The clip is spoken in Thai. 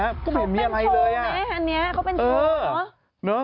ข้าวเป่อเน่อันเนี่ยก็เผ็ดติดเนาะ